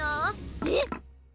えっ！？